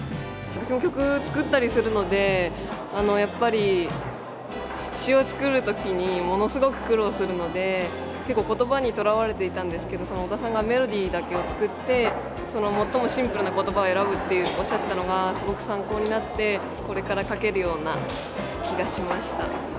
私も曲作ったりするのでやっぱり詞を作る時にものすごく苦労するので結構言葉にとらわれていたんですけど小田さんがメロディーだけを作ってその最もシンプルな言葉を選ぶっておっしゃってたのがすごく参考になってこれから書けるような気がしました。